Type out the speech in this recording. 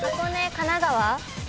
神奈川？